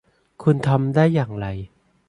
คุณทำได้อย่างไร ?